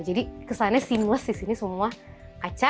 jadi kesannya seamless di sini semua kaca